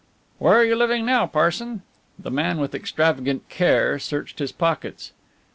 "Where are you living now, Parson?" The man with extravagant care searched his pockets.